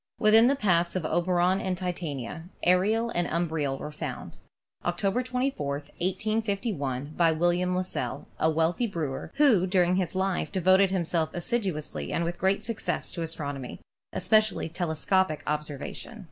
Within the paths of Oberon and Titania, Ariel and Um briel were found, October 24, 1851, by William Lassell, a wealthy brewer, who during his life devoted himself assiduously and with great success to astronomy, espe cially telescopic observation.